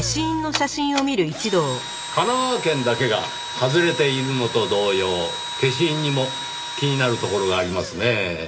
神奈川県だけが外れているのと同様消印にも気になるところがありますねぇ。